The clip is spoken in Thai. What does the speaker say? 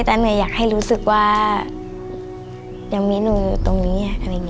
แต่ไม่อยากให้รู้สึกว่ายังมีหนูอยู่ตรงนี้